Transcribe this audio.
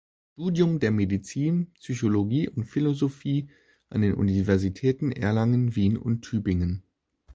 Studium der Medizin, Psychologie und Philosophie an den Universitäten Erlangen, Wien und Tübingen.